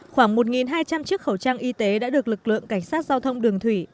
khoảng một hai trăm linh chiếc khẩu trang y tế đã được lực lượng cảnh sát giao thông đường thủy